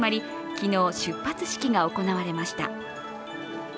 昨日、出発式が行われました。